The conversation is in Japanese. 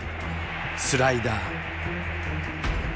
スライダー。